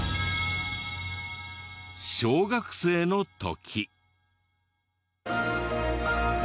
小学生の時。